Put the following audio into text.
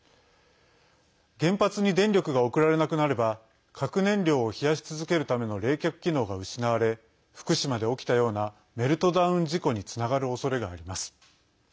原発に電力が送られなくなれば核燃料を冷やし続けるための冷却機能が失われ福島で起きたようなメルトダウン事故につながるおそれがあります。